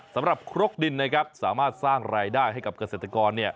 สำหรับครกดินนะครับสามารถสร้างรายได้ให้กับเกษตรกรเนี่ย